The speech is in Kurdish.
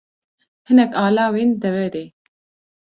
Hinek alawên deverê